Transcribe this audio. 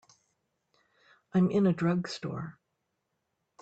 I'm in a drugstore.